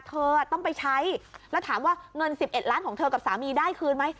เธอต้องไปใช้แล้วถามว่าเงิน๑๑ล้านของเธอกับสามีได้คืนไหม